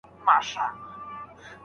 آیا راډیو تر ورځپاڼي ژر خبرونه خپروي؟